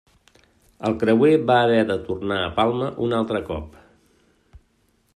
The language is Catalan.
El creuer va haver de tornar a Palma un altre cop.